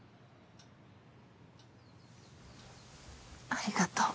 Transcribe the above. ありがとう。